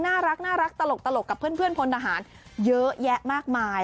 น่ารักตลกกับเพื่อนพลทหารเยอะแยะมากมาย